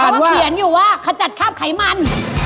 ขวัและเขียนอยู่ว่าคจจัดข้าวไขมัน